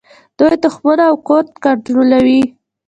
دوی تخمونه او کود کنټرولوي.